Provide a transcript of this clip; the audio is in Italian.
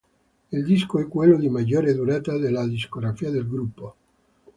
Il disco è quello di maggiore durata della discografia del gruppo.